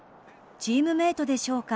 チームメートでしょうか。